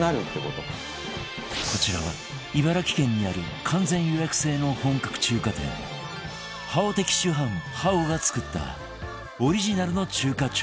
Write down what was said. こちらは茨城県にある完全予約制の本格中華店好的酒飯好が作ったオリジナルの中華調味料